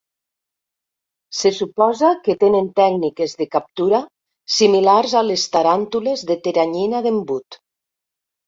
Se suposa que tenen tècniques de captura similars a les taràntules de teranyina d'embut.